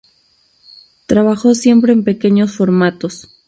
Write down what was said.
Trabajó siempre en pequeños formatos.